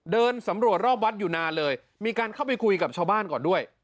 เดินสำรวจรอบวัดอยู่นานเลยมีการเข้าไปคุยกับชาวบ้านก่อนด้วย